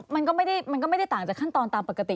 มันก็ไม่ได้ต่างจากขั้นตอนตามปกติ